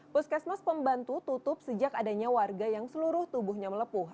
puskesmas pembantu tutup sejak adanya warga yang seluruh tubuhnya melepuh